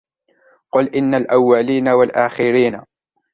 قُلْ إِنَّ الأَوَّلِينَ وَالآخِرِينَ